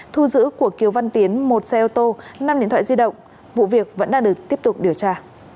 thu giữ của kiều văn tiến một xe ô tô năm điện thoại di động vụ việc vẫn đang được tiếp tục điều tra